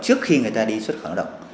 trước khi người ta đi xuất khẩu lao động